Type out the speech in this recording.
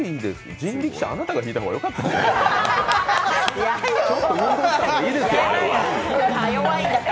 人力車あなたが引いた方がよかったんじゃないですか。